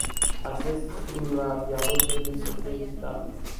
Accesul la dialog trebuie să fie echitabil.